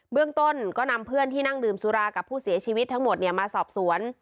เรื่องต้นก็นำเพื่อนที่นั่งดื่มสุรากับผู้เสียชีวิตทั้งหมดมาสอบสวน